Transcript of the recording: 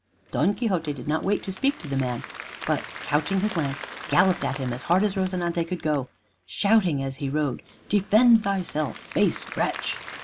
Don Quixote did not wait to speak to the man, but, couching his lance, galloped at him as hard as "Rozinante" could go, shouting as he rode, "Defend thyself, base wretch!"